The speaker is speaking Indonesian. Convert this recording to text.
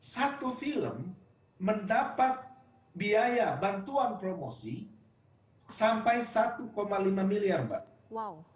satu film mendapat biaya bantuan promosi sampai satu lima miliar mbak